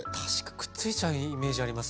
くっついちゃうイメージあります。